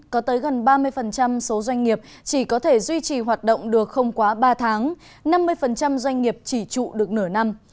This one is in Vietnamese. có tới gần ba mươi số doanh nghiệp chỉ có thể duy trì hoạt động được không quá ba tháng năm mươi doanh nghiệp chỉ trụ được nửa năm